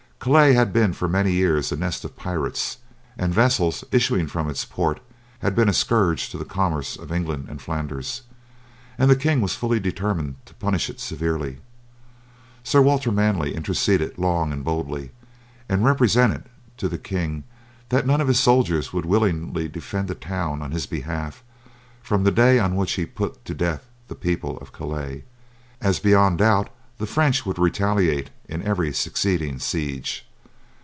Calais had been for many years a nest of pirates, and vessels issuing from its port had been a scourge to the commerce of England and Flanders, and the king was fully determined to punish it severely. Sir Walter Manny interceded long and boldly, and represented to the king that none of his soldiers would willingly defend a town on his behalf from the day on which he put to death the people of Calais, as beyond doubt the French would retaliate in every succeeding siege.